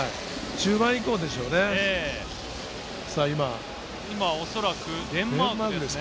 中盤以降でしょうね。